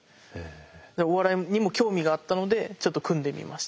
お笑いにも興味があったのでちょっと組んでみました。